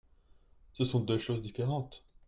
Ce sont deux choses différentes.